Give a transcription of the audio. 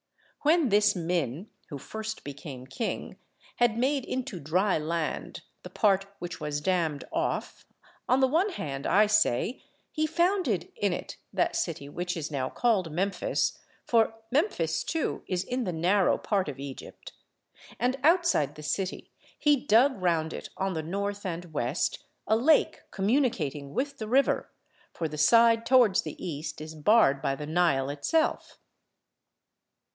When this Min, who first became king, had made into dry land the part which was dammed off, on the one hand, I say, he founded in it that city which is now called Memphis; for Memphis too is in the narrow part of Egypt; and outside the city he dug round it on the North and West a lake communicating with the river, for the side towards the East is barred by the Nile itself.